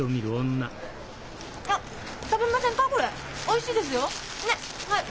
おいしいですよ。ねはい。